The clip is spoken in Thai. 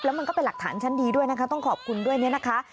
มันก็เป็นหลักฐานชั้นดีด้วยนะคะต้องขอบคุณด้วยเนี่ยนะคะ